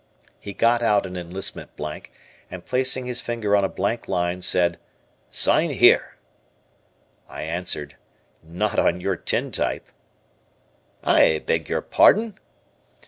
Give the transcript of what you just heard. He got out an enlistment blank, and placing his finger on a blank line said, "Sign here." I answered, "Not on your tintype." "I beg your pardon?"